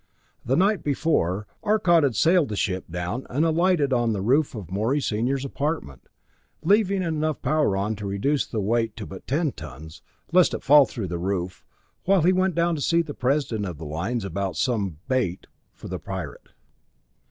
The night before, Arcot had sailed the ship down and alighted on the roof of Morey senior's apartment, leaving enough power on to reduce the weight to but ten tons, lest it fall through the roof, while he went down to see the President of the Lines about some "bait" for the Pirate.